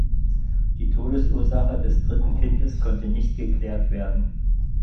Die Todesursache des dritten Kindes konnte nicht geklärt werden.